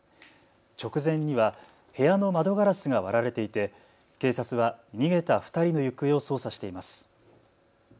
直前には部屋の窓ガラスが割られていて警察は逃げた２人の行方を捜査しています。